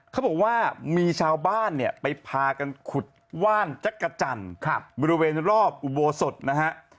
เขาบอกว่ามีชาวบ้านเนี่ยไปพากันขุดว่านจักรจันทร์บริเวณรอบอุโบสถนะฮะ